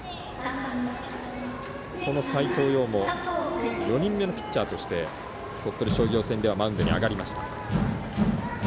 斎藤蓉も４人目のピッチャーとしては鳥取商業戦ではマウンドに上がりました。